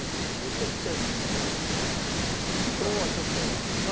めちゃくちゃいいんじゃないですか。